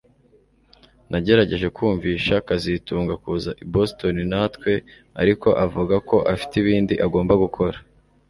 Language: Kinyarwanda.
Nagerageje kumvisha kazitunga kuza i Boston natwe ariko avuga ko afite ibindi agomba gukora